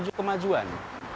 kita proses menuju kemajuan